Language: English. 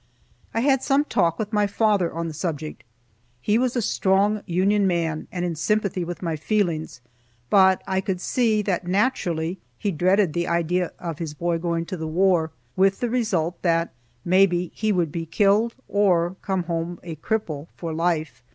I had some talk with my father on the subject. He was a strong Union man, and in sympathy with my feelings, but I could see that naturally he dreaded the idea of his boy going to the war, with the result that maybe he would be killed, or come home a cripple for life.